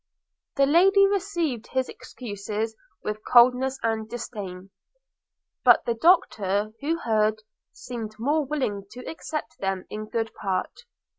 The Lady received his excuses with coldness and disdain; but the Doctor, who heard, seemed more willing to accept them in good part.